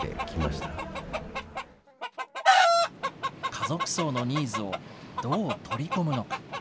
家族葬のニーズをどう取り込むのか。